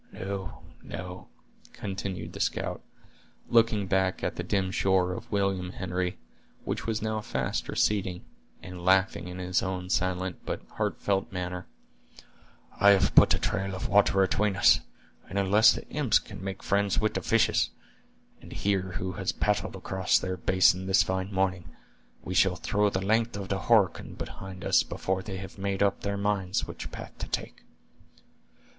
No, no," continued the scout, looking back at the dim shore of William Henry, which was now fast receding, and laughing in his own silent but heartfelt manner; "I have put a trail of water atween us; and unless the imps can make friends with the fishes, and hear who has paddled across their basin this fine morning, we shall throw the length of the Horican behind us before they have made up their minds which path to take."